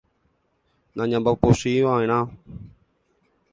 Nañambopochyiva'erã.